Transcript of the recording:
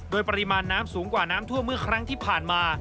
โดยปริมาณน้ำสูงกว่าน้ำท่วมเมื่อครั้งที่ผ่านมา